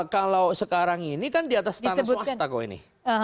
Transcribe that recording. kalau sekarang ini kan di atas tanah swasta kok ini